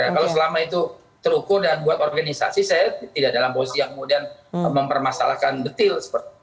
kalau selama itu terukur dan buat organisasi saya tidak dalam posisi yang kemudian mempermasalahkan detil